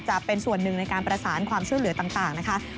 จะเป็นส่วนหนึ่งในการประสานความช่วยเหลือต่างนะคะ